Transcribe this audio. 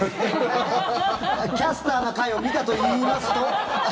「“キャスターな会”を見た」と言いますと？